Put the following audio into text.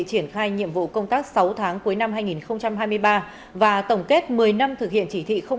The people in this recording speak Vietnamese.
triển khai nhiệm vụ công tác sáu tháng cuối năm hai nghìn hai mươi ba và tổng kết một mươi năm thực hiện chỉ thị năm